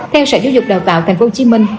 theo sở giáo dục đào tạo thành phố hồ chí minh